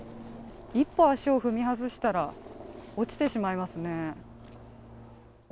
一歩足を踏み外したら落ちてしまいますね。